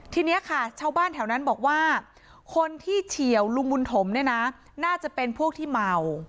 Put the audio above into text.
ทีนี้ค่ะชาวบ้านแถวนั้นบอกว่าคนที่เฉียวลุงบุญถมเนี่ยนะน่าจะเป็นพวกที่เมา